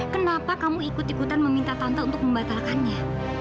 kenapa kamu ikut ikutan meminta tante untuk membatalkannya